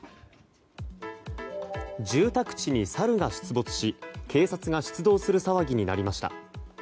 住宅地にサルが出没し警察が出動する騒ぎになりました。